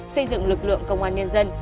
xây dựng lực lượng công an nhân dân